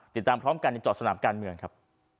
ติดตามพร้อมกันในจอดสนามการเมืองครับ